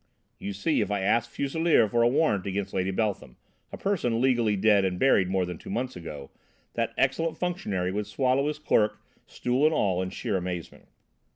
You see, if I asked Fuselier for a warrant against Lady Beltham, a person legally dead and buried more than two months ago, that excellent functionary would swallow his clerk, stool and all, in sheer amazement."